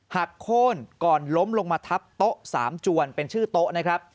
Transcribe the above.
โค้นก่อนล้มลงมาทับโต๊ะสามจวนเป็นชื่อโต๊ะนะครับ